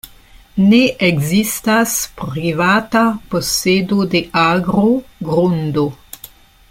Ne ekzistas privata posedo de agro, grundo.